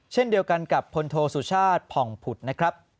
เช่นเดียวกันกับพลโทสุชาติผ่องผุดนะครับ